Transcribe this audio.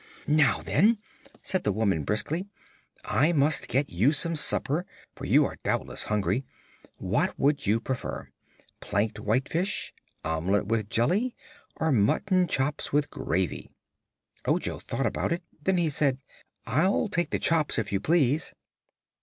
"Now, then," said the woman briskly, "I must get you some supper, for you are doubtless hungry. What would you prefer: planked whitefish, omelet with jelly or mutton chops with gravy?" Ojo thought about it. Then he said: "I'll take the chops, if you please."